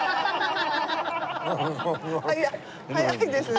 早い早いですね。